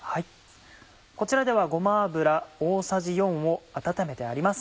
こちらではごま油大さじ４を温めてあります。